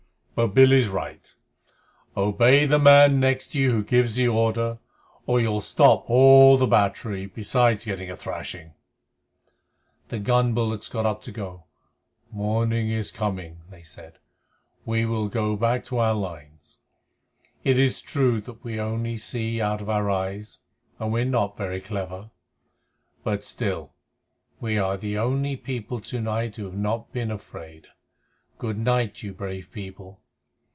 But Billy's right. Obey the man next to you who gives the order, or you'll stop all the battery, besides getting a thrashing." The gun bullocks got up to go. "Morning is coming," they said. "We will go back to our lines. It is true that we only see out of our eyes, and we are not very clever. But still, we are the only people to night who have not been afraid. Good night, you brave people."